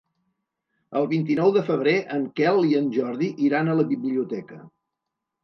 El vint-i-nou de febrer en Quel i en Jordi iran a la biblioteca.